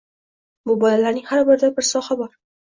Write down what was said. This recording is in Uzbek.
Bu bolalarning har birida bir soha bor.